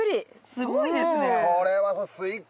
すごいですね。